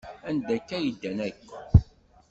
Anda akka ay ddan akk?